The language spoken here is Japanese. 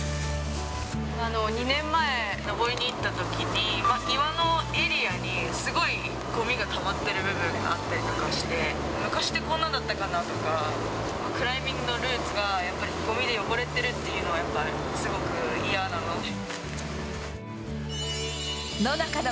２年前、登りに行ったときに、岩のエリアにすごい、ごみがたまってる部分があったりとかして、昔ってこんなだったかなとか、クライミングのルーツがやっぱり、ごみで汚れてるっていうのは、やっぱりすごく嫌なので。